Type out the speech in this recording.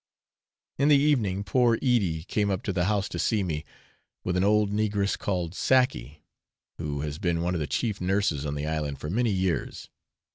In the evening, poor Edie came up to the house to see me, with an old negress called Sackey, who has been one of the chief nurses on the island for many years.